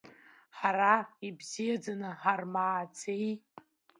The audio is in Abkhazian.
Ҳара ибзиаӡаны ҳармааӡеи?